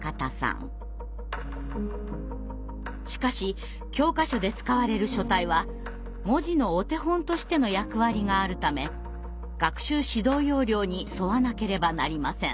しかし教科書で使われる書体は文字のお手本としての役割があるため学習指導要領に沿わなければなりません。